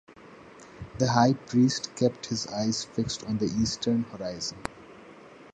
The high priest kept his eyes fixed on the eastern horizon.